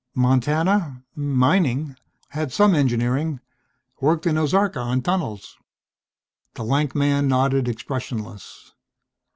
"Montana mining. Had some engineering. Worked in Ozarka on tunnels." The lank man nodded, expressionless.